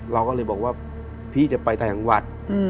เราก็เลยบอกว่าพี่จะไปทางวัด